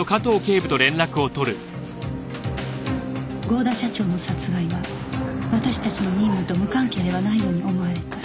合田社長の殺害は私たちの任務と無関係ではないように思われた